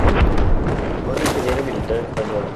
Fue un ingeniero militar español.